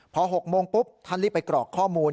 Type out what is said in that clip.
พอ๖โมงปุ๊บท่านรีบไปกรอกข้อมูล